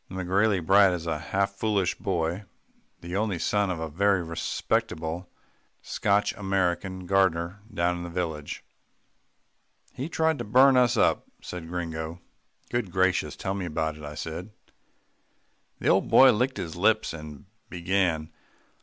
The McGrailey brat is a half foolish boy, the only son of a very respectable, Scotch American gardener down in the village. "He tried to burn us up," said Gringo. "Good gracious! tell me about it," I said. The old boy licked his lips and began.